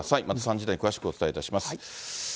また３時台に詳しくお伝えいたします。